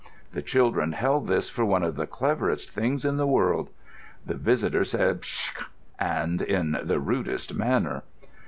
The children held this for one of the cleverest things in the world. The visitor said "p'sh!" and in the rudest manner.